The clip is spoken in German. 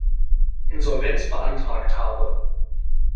Insolvenz beantragt habe.